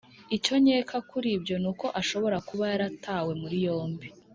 Icyo nkeka kuli ibyo nuko ashobora kuba yaratawe muri yombi